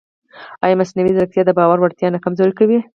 ایا مصنوعي ځیرکتیا د باور وړتیا نه کمزورې کوي؟